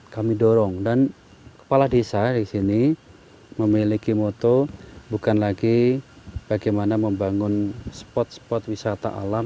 kami dorong dan kepala desa di sini memiliki moto bukan lagi bagaimana membangun spot spot wisata alam